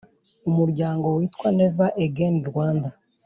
umuryango witwa Never Again Rwanda